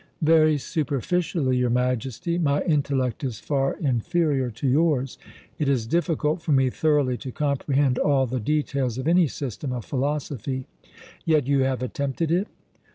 "Very superficially, your Majesty. My intellect is far inferior to yours. It is difficult for me thoroughly to comprehend all the details of any system of philosophy." "Yet you have attempted it?"